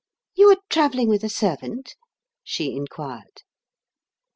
"You are travelling with a servant?" she enquired.